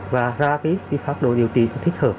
và ra phát đồ điều trị thích hợp